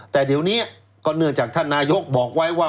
แต่เดี๋ยวนี้ก็เนื่องจากท่านนายกบอกไว้ว่า